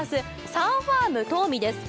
サンファームとうみです。